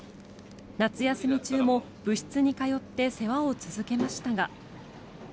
夏休み中も部室に通って世話を続けましたが。